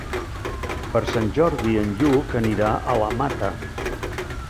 Per Sant Jordi en Lluc anirà a la Mata.